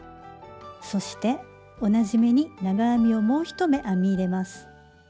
そして同じ目に長編みをもう１目編み入れます。